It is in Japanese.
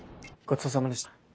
ごちそうさまでした。